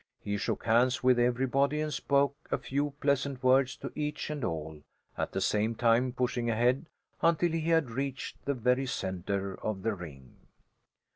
He shook hands with everybody and spoke a few pleasant words to each and all, at the same time pushing ahead until he had reached the very centre of the ring.